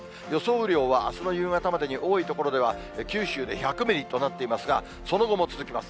雨量はあすの夕方までに多い所では九州で１００ミリとなっていますが、その後も続きます。